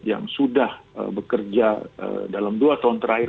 yang sudah bekerja dalam dua tahun terakhir